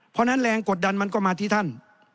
เพราะฉะนั้นแรงกดดันมันก็มาที่ท่าน